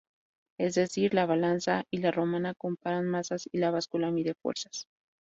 Es decir, la balanza y la romana comparan masas y la báscula mide fuerzas.